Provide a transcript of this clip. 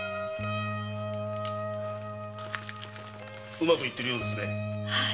うまくいってるようですね。